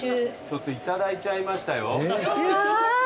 いただいちゃいましたよ。わい。